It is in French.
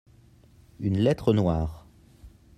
une lettre noire.